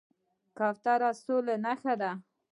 کوتره د سولې نښه ده